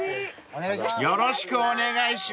［よろしくお願いします］